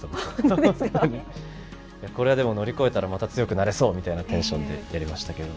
これはでも乗り越えたらまた強くなれそうみたいなテンションでやりましたけど。